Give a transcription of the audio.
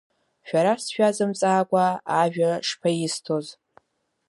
Шәара сшәазымҵаакәа ажәа шԥаисҭоз!